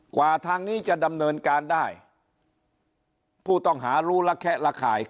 กว่าทางนี้จะดำเนินการได้ผู้ต้องหารู้ละแคะระคาย